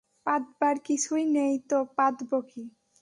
পাতবার কিছুই নেই তো পাতব কী।